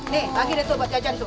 nih bagi deh tuh buat jajan tuh